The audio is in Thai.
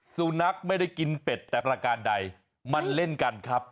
สุนัขไม่ได้กินเป็ดแต่ประการใดมันเล่นกันครับ